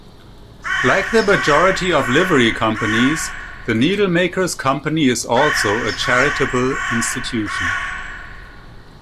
Like the majority of Livery Companies, the Needlemakers' Company is also a charitable institution.